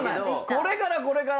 これからこれから。